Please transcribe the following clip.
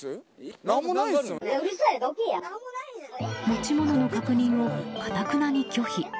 持ち物の確認をかたくなに拒否。